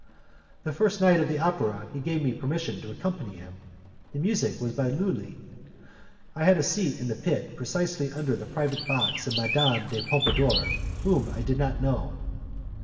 The first night of the opera he gave me permission to accompany him; the music was by Lulli. I had a seat in the pit precisely under the private box of Madame de Pompadour, whom I did not know.